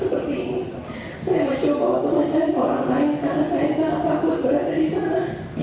saya mencoba untuk mencari orang lain karena saya sangat takut berada di sana